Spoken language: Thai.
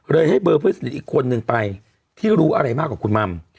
ให้เบอร์เพื่อนสนิทอีกคนนึงไปที่รู้อะไรมากกว่าคุณมัม